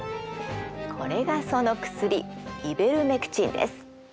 これがその薬イベルメクチンです。